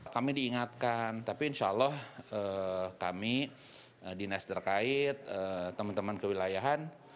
kami diingatkan tapi insya allah kami dinas terkait teman teman kewilayahan